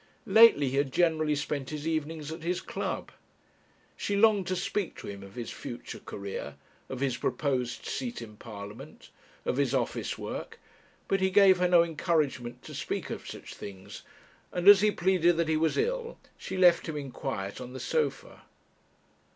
Lately he had generally spent his evenings at his club. She longed to speak to him of his future career, of his proposed seat in Parliament, of his office work; but he gave her no encouragement to speak of such things, and, as he pleaded that he was ill, she left him in quiet on the sofa.